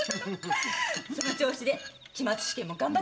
その調子で期末試験も頑張ってよ。